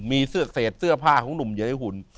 มีเสื้อเศษเสื้อผ้าของหนุ่มอยู่ในหุ่น